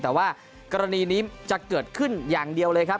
แต่ว่ากรณีนี้จะเกิดขึ้นอย่างเดียวเลยครับ